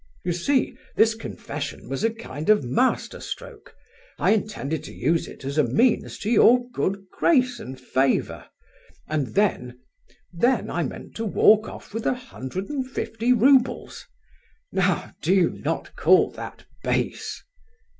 You see, this confession was a kind of masterstroke; I intended to use it as a means to your good grace and favour—and then—then I meant to walk off with a hundred and fifty roubles. Now, do you not call that base?"